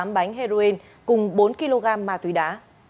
tám bánh heroin cùng bốn kg ma túy đá